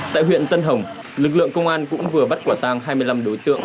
tại huyện tân hồng lực lượng công an cũng vừa bắt quả tang hai mươi năm đối tượng